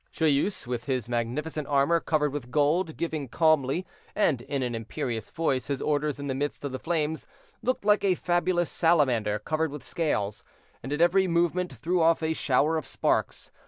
Joyeuse, with his magnificent armor covered with gold, giving calmly, and in an imperious voice, his orders in the midst of the flames, looked like a fabulous salamander covered with scales, and at every movement threw off a shower of sparks.